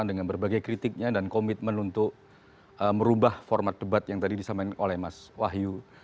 dengan berbagai kritiknya dan komitmen untuk merubah format debat yang tadi disampaikan oleh mas wahyu